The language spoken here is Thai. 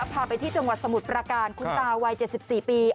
พาไปที่จังหวัดสมุทรประการคุณตาวัย๗๔ปี